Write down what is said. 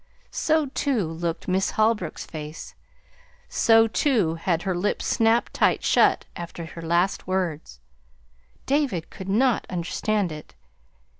So, too, looked Miss Holbrook's face; so, too, had her lips snapped tight shut after her last words. David could not understand it.